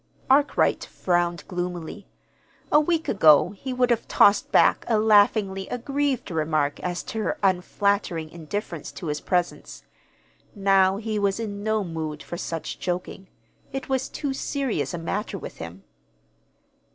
Arkwright frowned gloomily. A week ago he would have tossed back a laughingly aggrieved remark as to her unflattering indifference to his presence. Now he was in no mood for such joking. It was too serious a matter with him.